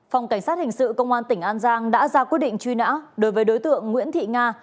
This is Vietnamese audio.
phòng cảnh sát hình sự công an tỉnh an giang đã ra quyết định truy nã đối với đối tượng nguyễn thị nga